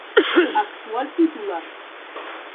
Actual Titular.